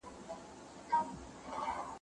د مال زکات ورکول برکت لامل ګرځي.